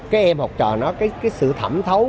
cái em học trò nó cái sự thẩm thấu